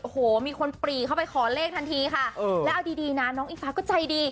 โอ้โหมีคนปรีเข้าไปขอเลขทันทีค่ะแล้วเอาดีดีนะน้องอิงฟ้าก็ใจดี